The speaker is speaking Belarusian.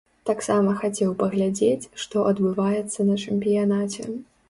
Таксама хацеў паглядзець, што адбываецца на чэмпіянаце.